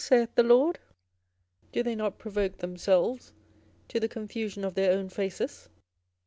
saith the LORD: do they not provoke themselves to the confusion of their own faces?